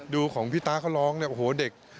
ดูของพี่ตาเขาร้องโอ้โฮเด็ก